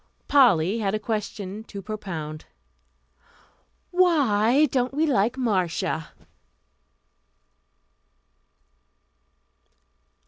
Polly had a question to propound. "Why don't we like Marcia?"